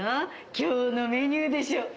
今日のメニューでしょ？